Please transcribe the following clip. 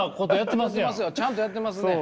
ちゃんとやってますね。